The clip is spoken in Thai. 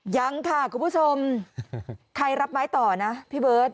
ยังค่ะคุณผู้ชมใครรับไม้ต่อนะพี่เบิร์ต